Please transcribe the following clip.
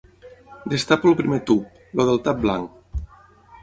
Destapo el primer tub, el del tap blanc.